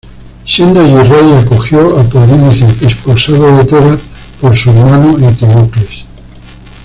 Siendo allí rey acogió a Polinices, expulsado de Tebas por su hermano Eteocles.